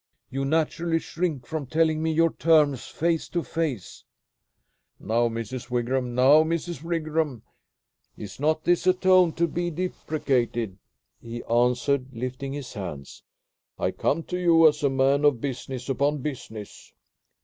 "You naturally shrink from telling me your terms face to face." "Now, Mrs. Wigram! Now, Mrs. Wigram! Is not this a tone to be deprecated?" he answered, lifting his hands. "I come to you as a man of business upon business."